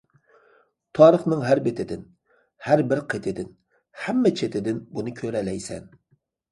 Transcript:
تارىخنىڭ ھەر بېتىدىن، ھەربىر قېتىدىن، ھەممە چېتىدىن بۇنى كۆرەلەيسەن.